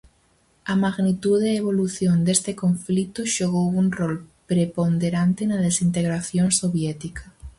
A magnitude e evolución deste conflito xogou un rol preponderante na desintegración soviética.